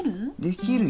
できるよ。